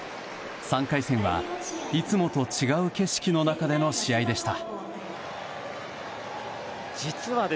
３回戦は、いつもと違う景色の中での試合でした。